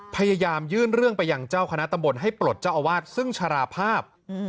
พยายามยื่นเรื่องไปยังเจ้าคณะตำบลให้ปลดเจ้าอาวาสซึ่งชราภาพ